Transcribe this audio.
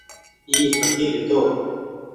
اي ڦڪير هيتو ۔